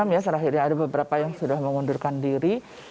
tiga puluh enam ya ada beberapa yang sudah mengundurkan diri